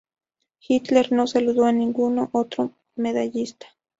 Hitler no saludó a ningún otro medallista.